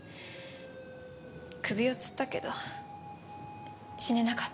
首を吊ったけど死ねなかった。